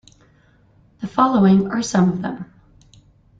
The following are some of them.